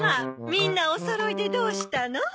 みんなおそろいでどうしたの？